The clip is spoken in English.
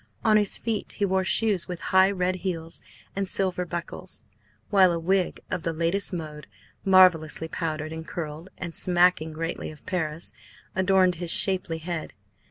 On his feet he wore shoes with high red heels and silver buckles, while a wig of the latest mode, marvellously powdered and curled and smacking greatly of Paris, adorned his shapely head.